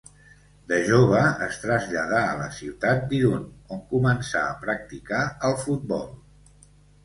De jove es traslladà a la ciutat d'Irun, on començà a practicar el futbol.